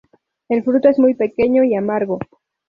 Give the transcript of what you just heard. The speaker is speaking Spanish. El fruto es muy pequeño y amargo.